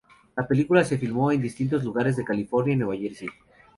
La película se filmó en distintos lugares de California y Nueva Jersey.